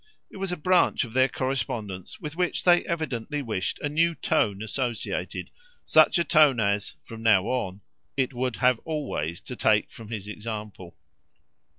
It was a branch of their correspondence with which they evidently wished a new tone associated, such a tone as, from now on, it would have always to take from his example.